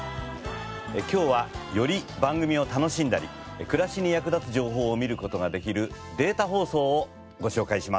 今日はより番組を楽しんだり暮らしに役立つ情報を見る事ができるデータ放送をご紹介します。